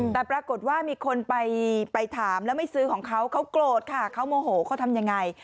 แต่ปรากฏว่ามีคนไปถามแล้วไม่ซื้อของเขาเขาโกรธค่ะเขาโมโหเขาทำยังไง